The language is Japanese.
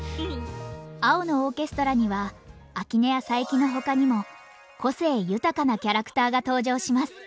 「青のオーケストラ」には秋音や佐伯の他にも個性豊かなキャラクターが登場します。